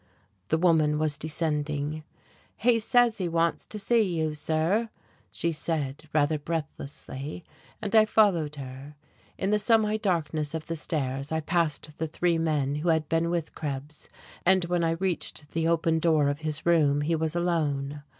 The woman was descending. "He says he wants to see you, sir," she said rather breathlessly, and I followed her. In the semi darkness of the stairs I passed the three men who had been with Krebs, and when I reached the open door of his room he was alone.